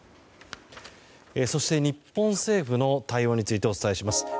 そして、日本政府の対応についてお伝えします。